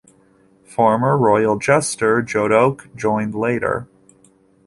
Former royal jester Jodoque joined later.